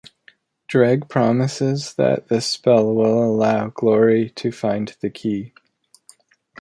Dreg promises that this spell will allow Glory to find the Key.